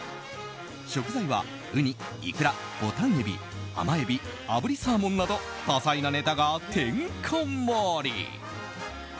食材はウニ、イクラボタンエビ、甘エビあぶりサーモンなど多彩なネタがてんこ盛り。